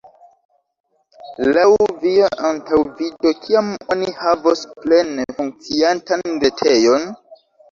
Laŭ via antaŭvido, kiam oni havos plene funkciantan retejon?